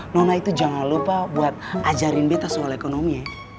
nona itu jangan lupa buat ajarin beta soal ekonomi